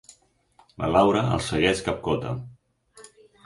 La Laura els segueix capcota.